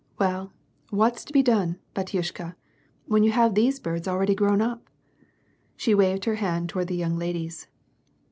Well, what's to be done, batyushka, when you have these birds already grown up ?" She waved her hand toward the young ladies.